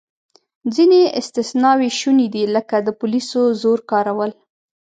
ځینې استثناوې شونې دي، لکه د پولیسو زور کارول.